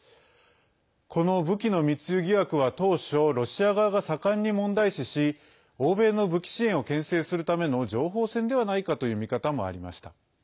この武器の密輸疑惑は当初、ロシア側が盛んに問題視し欧米の武器支援をけん制するための情報戦ではないかという見方もありました。